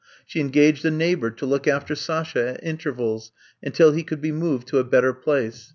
She engaged a neigh bor to look after Sasha at intervals until he could be moved to a better place.